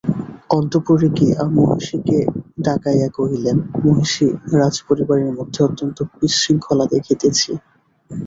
অন্তঃপুরে গিয়া মহিষীকে ডাকাইয়া কহিলেন, মহিষী, রাজপরিবারের মধ্যে অত্যন্ত বিশৃঙ্খলা দেখিতেছি।